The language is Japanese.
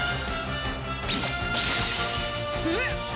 えっ！？